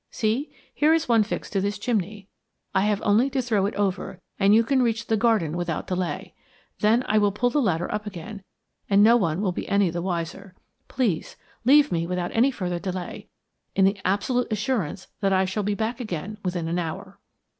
See, there is one fixed to this chimney. I have only to throw it over, and you can reach the garden without delay; then I will pull the ladder up again and no one will be any the wiser. Please, leave me without any further delay, in the absolute assurance that I shall be back again within an hour."